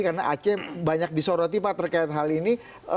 karena aceh banyak disorotipa terkait hal ini